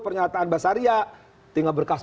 pernyataan basaria tinggal berkata kata